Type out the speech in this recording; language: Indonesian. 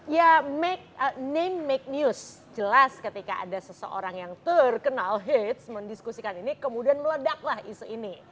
ya name make news jelas ketika ada seseorang yang terkenal hits mendiskusikan ini kemudian meledaklah isu ini